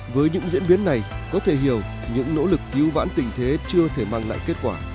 với những diễn biến này có thể hiểu những nỗ lực cứu vãn tình thế chưa thể mang lại kết quả